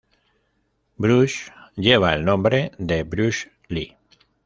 Bruce lleva el nombre de Bruce Lee.